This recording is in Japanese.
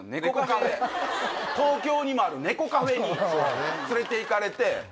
東京にもある猫カフェに連れて行かれて。